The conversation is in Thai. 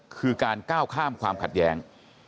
คือการก้าวข้ามความขัดแย้ง